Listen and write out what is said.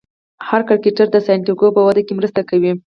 هر کرکټر د سانتیاګو په وده کې مرسته کوي.